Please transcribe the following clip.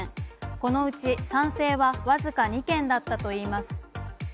このうち、賛成は僅か２件だったといいます。